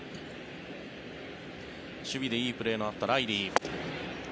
守備でいいプレーのあったライリー。